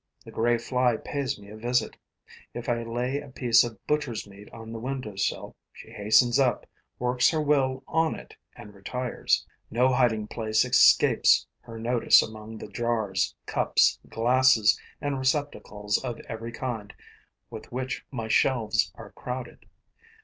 The grey fly pays me a visit. If I lay a piece of butcher's meat on the windowsill, she hastens up, works her will on it and retires. No hiding place escapes her notice among the jars, cups, glasses and receptacles of every kind with which my shelves are crowded.